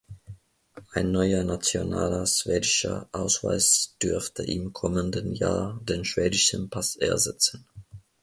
Ein neuer nationaler schwedischer Ausweis dürfte im kommenden Jahr den schwedischen Pass ersetzen.